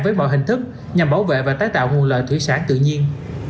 với mọi hình thức nhằm bảo vệ và tái tạo nguồn lợi thủy sản tự nhiên